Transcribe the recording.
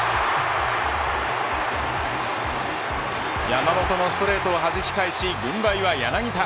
山本のストレートをはじき返し軍配は柳田。